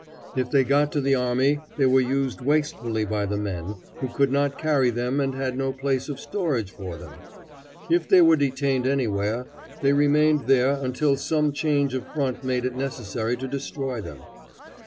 If they got to the army they were used wastefully by the men, who could not carry them and had no place of storage for them. If they were detained anywhere, they remained there until some change of front made it necessary to destroy them.